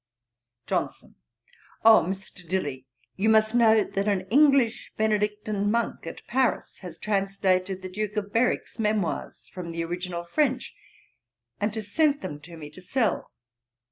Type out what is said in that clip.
JOHNSON. 'O! Mr. Dilly you must know that an English Benedictine Monk at Paris has translated The Duke of Berwick's Memoirs, from the original French, and has sent them to me to sell.